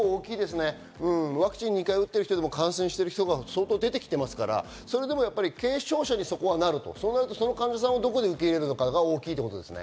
ワクチン２回打ってる人でも感染してる人が相当でてきているので、軽症者になると、その患者さんをどこで受け入れるかが大きいということですね。